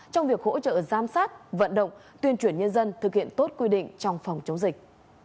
trong việc hỗ trợ giám sát vận động tuyên truyền nhân dân thực hiện tốt quy định trong phòng chống dịch